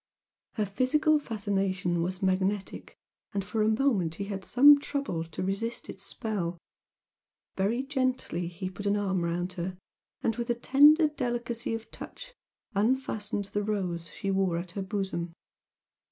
Her physical fascination was magnetic, and for a moment he had some trouble to resist its spell. Very gently he put an arm round her, and with a tender delicacy of touch unfastened the rose she wore at her bosom.